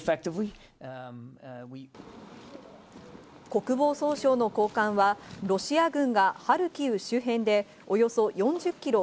国防総省の高官はロシア軍がハルキウ周辺でおよそ４０キロ